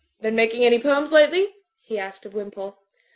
"Been making any poems lately?" he asked of Wimpole.